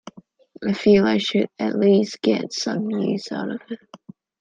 I feel I should at least get some use out of it.